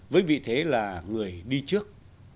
với vị thế là người đi trước